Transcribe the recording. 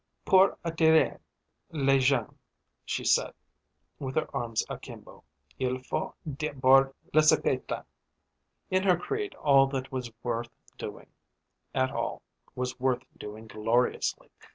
"Pour attirer les gens," she said, with her arms akimbo, "il faut d'abord les épater." In her creed all that was worth doing at all was worth doing gloriously.